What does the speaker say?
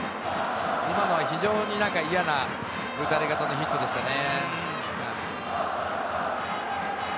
今のは非常に嫌な打たれ方のヒットでしたね。